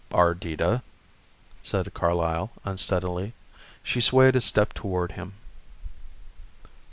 "Ardita," said Carlyle unsteadily. She swayed a step toward him.